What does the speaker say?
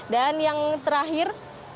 dan yang terakhir